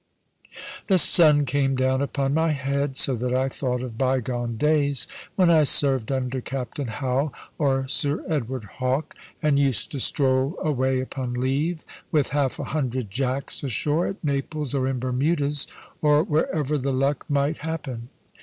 The sun came down upon my head, so that I thought of bygone days, when I served under Captain Howe, or Sir Edward Hawke, and used to stroll away upon leave, with half a hundred Jacks ashore, at Naples, or in Bermudas, or wherever the luck might happen.